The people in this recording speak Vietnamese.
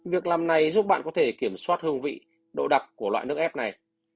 việc làm này giúp bạn có thể kiểm soát hương vị độ đặc của loại nước ép này